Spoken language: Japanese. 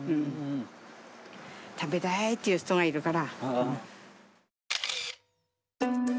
食べたいっていう人がいるから。